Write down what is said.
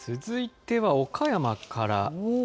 続いては岡山から。